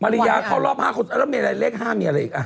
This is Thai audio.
ริยาเข้ารอบ๕คนแล้วมีอะไรเลข๕มีอะไรอีกอ่ะ